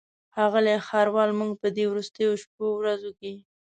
ښاغلی ښاروال موږ په دې وروستیو شپو ورځو کې.